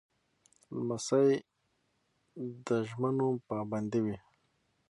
لمسی د ژمنو پابند وي.